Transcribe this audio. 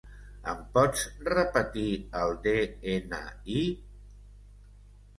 Em pots repetir el de-ena-i?